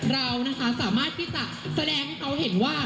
เรานะคะสามารถที่จะแสดงให้เขาเห็นว่า